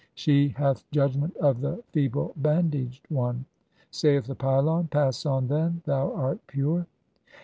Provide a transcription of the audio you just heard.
(55) She hath the judgment of the feeble bandaged one." [Saith the pylon :—] "Pass on, then, thou art pure."